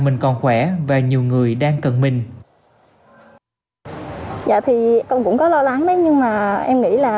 mình còn khỏe và nhiều người đang cần mình dạ thì ông cũng có lo lắng đấy nhưng mà em nghĩ là